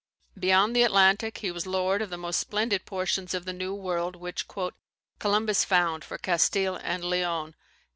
Beyond the Atlantic he was lord of the most splendid portions of the New world which "Columbus found for Castile and Leon."